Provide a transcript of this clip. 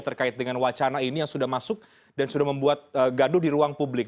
terkait dengan wacana ini yang sudah masuk dan sudah membuat gaduh di ruang publik